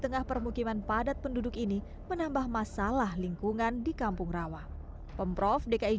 tengah permukiman padat penduduk ini menambah masalah lingkungan di kampung rawa pemprov dki